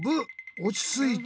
おちついて！